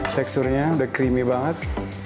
teksturnya udah creamy banget